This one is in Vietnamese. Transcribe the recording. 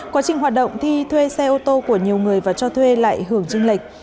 quá trình hoạt động thi thuê xe ô tô của nhiều người và cho thuê lại hưởng trinh lệch